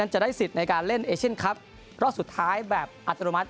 จะได้สิทธิ์ในการเล่นเอเชียนคลับรอบสุดท้ายแบบอัตโนมัติ